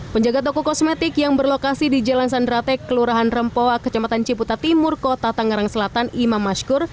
penjaga toko kosmetik yang berlokasi di jalan sandratek kelurahan rempoa kecamatan ciputa timur kota tangerang selatan imam mashkur